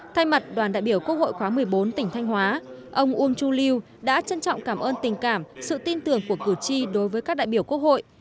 thay mặt đoàn đại biểu quốc hội khóa một mươi bốn tỉnh thanh hóa ông uông chu lưu đã trân trọng cảm ơn tình cảm sự tin tưởng của cử tri đối với các đại biểu quốc hội